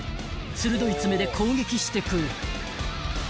［鋭い爪で攻撃してくる］